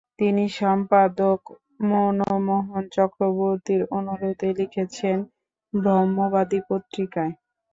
তিনি সম্পাদক মনোমোহন চক্রবর্তীর অনুরোধে লিখেছেন "ব্রহ্মবাদী" পত্রিকায়।